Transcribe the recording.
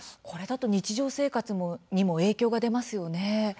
これだと日常生活にも影響が出ますよね。